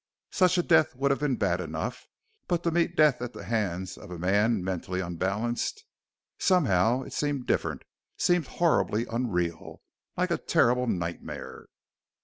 Such a death would have been bad enough, but to meet death at the hands of a man mentally unbalanced! Somehow it seemed different, seemed horribly unreal like a terrible nightmare.